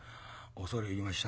「恐れ入りました。